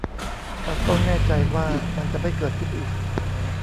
เราต้องแน่ใจว่ามันจะไม่เกิดขึ้นอีก